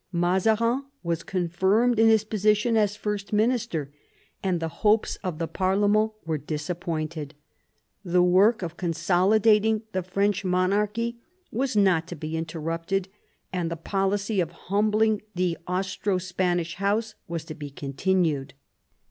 Mazarin was confirmed in his position as First Minister, and the hopes of the parlement were disappointed. The work of consolidating the French monarchy was not to be in terrupted, and the policy of humbling the Austro Spanish house was to be continued.